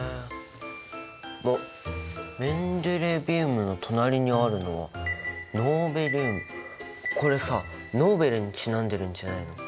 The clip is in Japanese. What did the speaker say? あっメンデレビウムの隣にあるのはこれさノーベルにちなんでるんじゃないの？